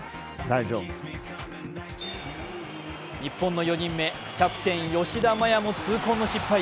日本の４人目、キャプテン吉田麻也も痛恨の失敗。